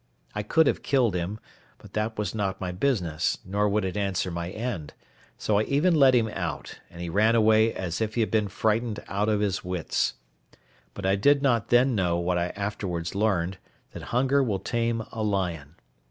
I could have killed him, but that was not my business, nor would it answer my end; so I even let him out, and he ran away as if he had been frightened out of his wits. But I did not then know what I afterwards learned, that hunger will tame a lion.